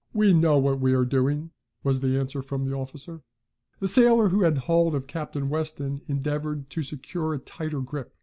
"We know what we are doing," was the answer from the officer. The sailor who had hold of Captain Weston endeavored to secure a tighter grip.